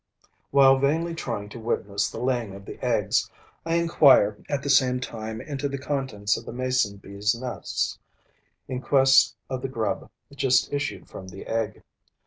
While vainly trying to witness the laying of the eggs, I inquire, at the same time, into the contents of the Mason bee's nests, in quest of the grub just issued from the egg.